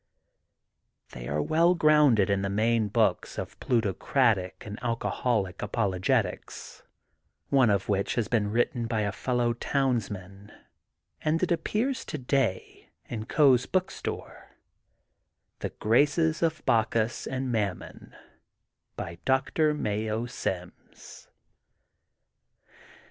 They are well grounded in the main books of plutocratic and alcoholic apologetics, one of which has been written by a fellow towns man, and it appears today, in Coe's Book Store: — ^'^The Graces of Bacchus and Mam mon '' by Doctor Mayo Sims.